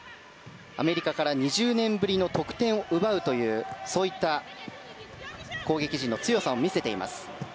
アメリカから２０年ぶりの得点を奪うというそういった攻撃陣の強さを見せています。